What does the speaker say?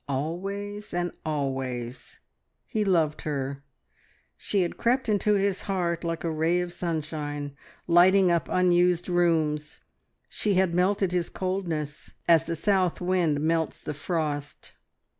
Always, and always, he loved her; she had crept into his heart like a ray of sunshine lighting up unused rooms; she had melted his coldness, as the south wind melts the frost.